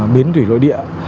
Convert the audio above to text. biến thủy lội địa